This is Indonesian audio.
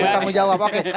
untuk tanggung jawab oke